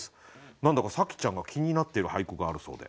何だか紗季ちゃんが気になっている俳句があるそうで。